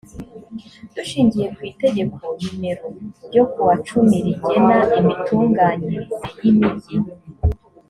dushingiye ku itegeko nimero ryo kuwa cumi rigena imitunganyirize yimigi